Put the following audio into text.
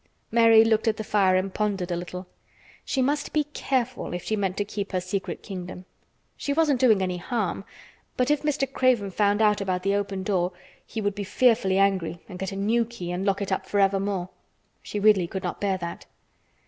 Mary looked at the fire and pondered a little. She must be careful if she meant to keep her secret kingdom. She wasn't doing any harm, but if Mr. Craven found out about the open door he would be fearfully angry and get a new key and lock it up forevermore. She really could not bear that.